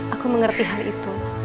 aku mengerti hal itu